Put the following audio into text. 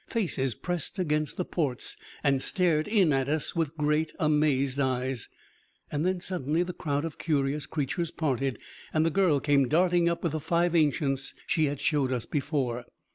Faces pressed against the ports and stared in at us with great, amazed eyes. Then, suddenly the crowd of curious creatures parted, and the girl came darting up with the five ancients she had showed us before.